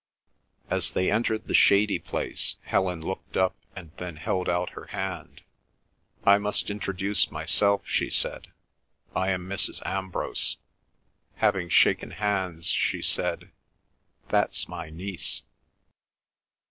As they entered the shady place, Helen looked up and then held out her hand. "I must introduce myself," she said. "I am Mrs. Ambrose." Having shaken hands, she said, "That's my niece."